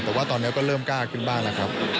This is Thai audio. แต่ว่าตอนนี้ก็เริ่มกล้าขึ้นบ้างแล้วครับ